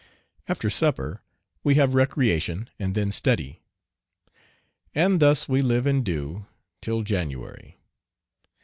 After supper we have recreation and then study. And thus we "live and do" till January.